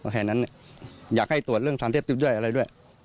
แค่นั้นอยากให้ตรวจเรื่องสารเสพติดด้วยอะไรด้วย